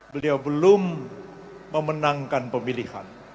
beliau belum memenangkan pemilihan